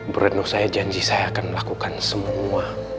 berenuk saya janji saya akan melakukan semua